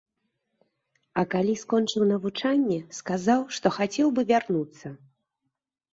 А калі скончыў навучанне, сказаў, што хацеў бы вярнуцца.